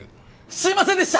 すいませんでした！